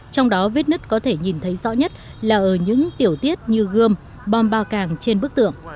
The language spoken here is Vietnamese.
trong đó vết nứt có thể nhìn thấy rõ nhất là ở những tiểu tiết như gươm bom bao càng trên bức tượng